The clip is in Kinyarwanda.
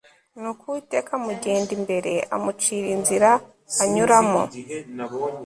Nuko Uwiteka amugenda imbere amucira inzira anyuramo